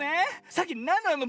さっきなんなの？